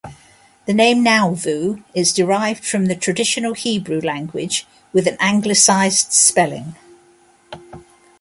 The name Nauvoo is derived from the traditional Hebrew language with an anglicized spelling.